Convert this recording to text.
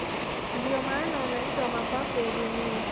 Ndio maana unaitwa mapafu ya dunia